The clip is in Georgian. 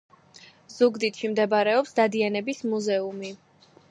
ზუგდიდში მდებარეობს დადიანების მუზეუმი